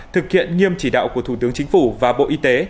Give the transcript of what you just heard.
thực hiện nghiêm chỉ đạo của thủ tướng chính phủ và bộ y tế